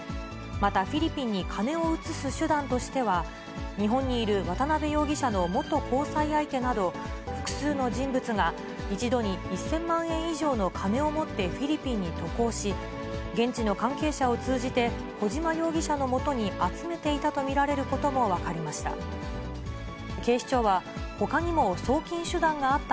またフィリピンに金を移す手段としては、日本にいる渡辺容疑者の元交際相手など、複数の人物が一度に１０００万円以上の金を持ってフィリピンに渡航し、現地の関係者を通じて、小島容疑者のもとに集めていたと見られることも分かりました。